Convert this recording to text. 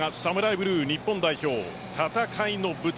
ブルー日本代表戦いの舞台